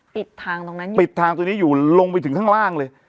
ปิดทางตรงนั้นอยู่ปิดทางตรงนี้อยู่ลงไปถึงข้างล่างเลย